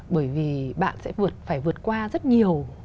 bởi vì bạn sẽ phải vượt qua rất nhiều